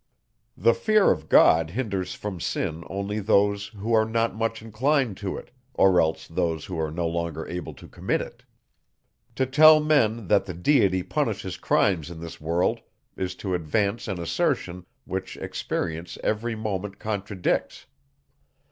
The fear of God hinders from sin only those, who are not much inclined to it, or else those who are no longer able to commit it. To tell men, that the Deity punishes crimes in this world, is to advance an assertion, which experience every moment contradicts.